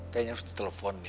kayaknya harus di telepon ya